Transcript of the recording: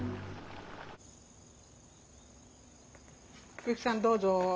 小雪さんどうぞ。